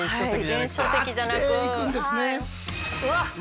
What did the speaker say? うわっ！